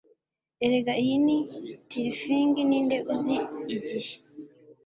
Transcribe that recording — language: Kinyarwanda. Erega iyi ni Tyrfing ninde uzi igihe